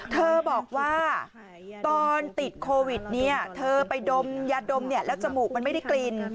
เธอบอกว่าตอนติดโควิดเนี่ยเธอไปดมยาดมแล้วจมูกมันไม่ได้กลิ่น